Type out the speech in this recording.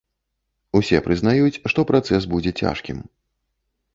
Усе прызнаюць, што працэс будзе цяжкім.